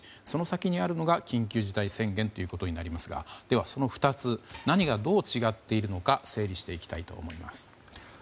その先にあるのが緊急事態宣言ということになりますがでは、その２つ何がどう違っているのか整理していきたいと思います。